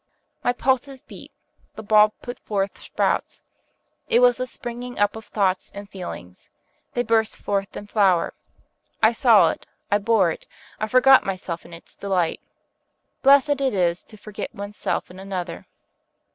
My pulses beat, the bulb put forth sprouts, it was the springing up of thoughts and feelings; they burst forth in flower. I saw it, I bore it, I forgot myself in its delight. Blessed is it to forget one's self in another.